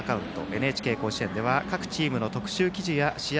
「ＮＨＫ甲子園」では各チームの特集記事や試合